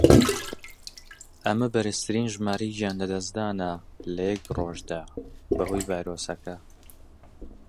ئەمە بەرزترین ژمارەی گیان لەدەستدانە لە یەک ڕۆژدا بەهۆی ڤایرۆسەکە.